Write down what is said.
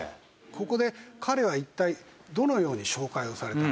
ここで彼は一体どのように紹介をされたのか。